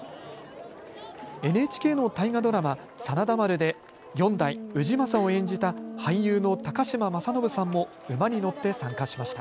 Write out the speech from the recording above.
ＮＨＫの大河ドラマ、真田丸で４代・氏政を演じた俳優の高嶋政伸さんも馬に乗って参加しました。